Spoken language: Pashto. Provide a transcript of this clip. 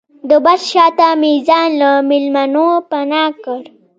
د بس شاته مې ځان له مېلمنو پناه کړ.